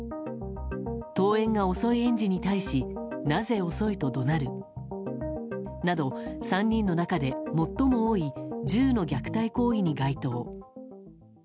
登園が遅い園児に対しなぜ遅いと怒鳴るなど３人の中で最も多い１０の虐待行為に該当。